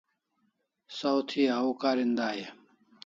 Saw thi au karin dai e?